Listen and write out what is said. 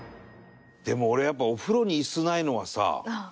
でも俺はやっぱお風呂にイスないのはさ。